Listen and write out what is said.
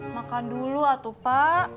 makan dulu atuh pak